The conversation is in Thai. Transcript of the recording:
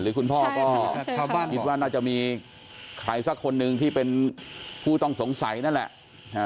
คุณพ่อก็ชาวบ้านคิดว่าน่าจะมีใครสักคนหนึ่งที่เป็นผู้ต้องสงสัยนั่นแหละ